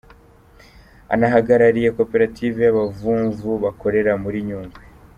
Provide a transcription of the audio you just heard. Anahagarariye koperative y’abavumvu bakorera muri Nyungwe.